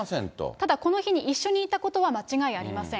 ただ、この日に一緒にいたことは間違いありません。